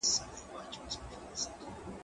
هغه وويل چي پاکوالي مهم دی!؟